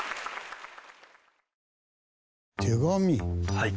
はい。